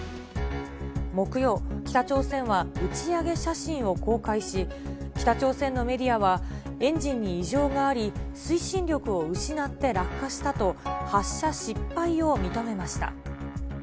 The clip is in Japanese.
木曜、北朝鮮は打ち上げ写真を公開し、北朝鮮のメディアは、エンジンに異常があり、推進力を失って落下したと、発射失敗を認めました。